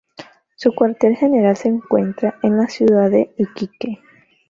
Su cuartel general se encuentra en la ciudad de Iquique.